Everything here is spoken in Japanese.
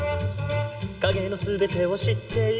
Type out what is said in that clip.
「影の全てを知っている」